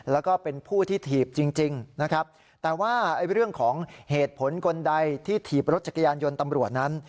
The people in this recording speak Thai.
แล้วก็เป็นผู้ที่ถีบจริงนะครับแต่ว่าเรื่องของเหตุผลคนใดที่ถีบรถจักรยานยนต์ตำรวจนั้น